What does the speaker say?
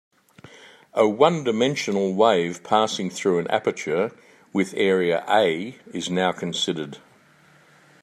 A "one dimensional" wave passing through an aperture with area "A" is now considered.